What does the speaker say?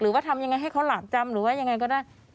ทำยังไงให้เขาหลาบจำหรือว่ายังไงก็ได้